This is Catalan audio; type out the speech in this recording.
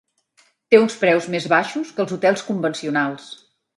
Té uns preus més baixos que els hotels convencionals.